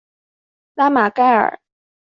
拉马盖尔。